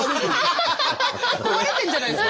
壊れてるんじゃないですか？